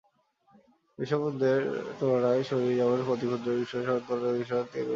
বিশ্বব্রহ্মাণ্ডের তুলনায় শরীর যেমন অতি ক্ষুদ্র, ঈশ্বরের সঙ্গে তুলনায় বিশ্বব্রহ্মাণ্ড তেমনি নগণ্য।